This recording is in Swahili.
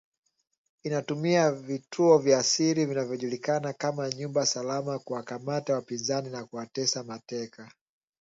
inatumia vituo vya siri vinavyojulikana kama nyumba salama kuwakamata wapinzani na kuwatesa mateka